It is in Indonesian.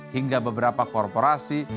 hingga beberapa korporasi